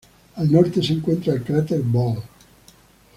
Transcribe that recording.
Al norte se encuentra el cráter Ball.